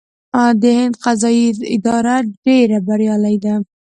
د هند فضايي اداره ډیره بریالۍ ده.